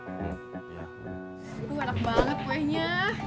waduh enak banget kuenya